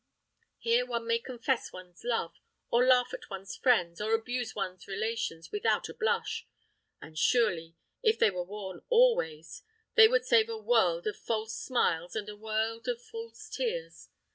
Here one may confess one's love, or laugh at one's friends, or abuse one's relations, without a blush; and surely, if they were worn always, they would save a world of false smiles and a world of false tears.